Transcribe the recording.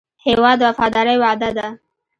هېواد د وفادارۍ وعده ده.